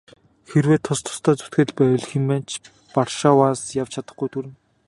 Хэрвээ тус тусдаа зүтгээд л байвал хэн маань ч Варшаваас явж чадахгүйд хүрнэ.